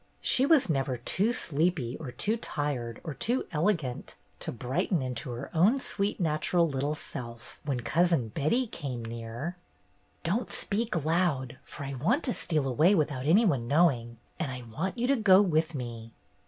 She was never too sleepy or too tired or too elegant to brighten into her own sweet natural little self when Cousin Betty came near. "Don't speak loud, for I want to steal away without any one knowing, and I want you to go with me."